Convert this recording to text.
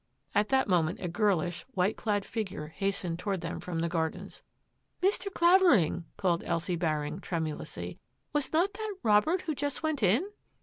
At that moment a girlish, white clad figure hastened toward them from the gardens. " Mr. Clavering," called Elsie Baring tremu lously, " was not that Robert who just went in?